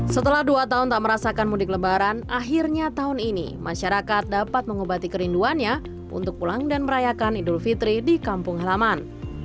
setelah dua tahun tak merasakan mudik lebaran akhirnya tahun ini masyarakat dapat mengobati kerinduannya untuk pulang dan merayakan idul fitri di kampung halaman